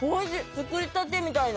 作りたてみたいな。